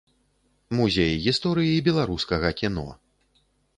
Музей гісторыі беларускага кіно.